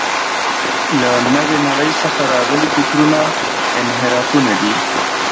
له نوې نړۍ څخه راغلي فکرونه انحرافونه دي.